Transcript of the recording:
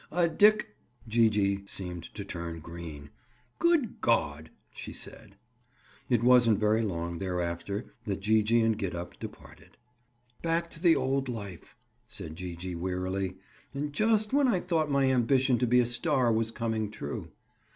"A dic—" Gee gee seemed to turn green. "Good Gawd!" she said. It wasn't very long thereafter that Gee gee and Gid up departed. "Back to the old life!" said Gee gee wearily. "And just when I thought my ambition to be a star was coming true."